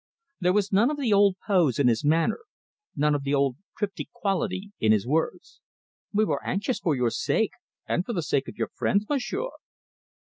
There was none of the old pose in his manner, none of the old cryptic quality in his words. "We were anxious for your sake and for the sake of your friends, Monsieur."